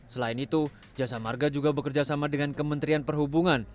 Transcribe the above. selain itu jasa marga juga bekerjasama dengan kementerian perhubungan